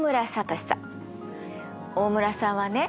大村さんはね